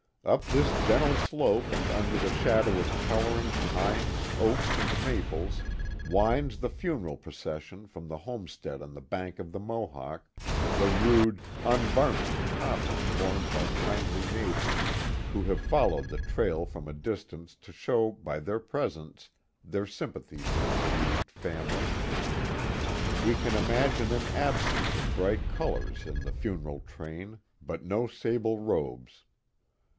Up this gentle slope and under the shadow of towering pines, oaks, and maples, winds the funeral proces sion from the homestead on the bank of the Mohawk, the rude, unvarnished cofnn borne by kindly neighbors, who have followed the trail from a distance to show, by their presence, their sympathy for the bereaved family. We can imagine an absence of bright colors in the funeral train, but no sable robes.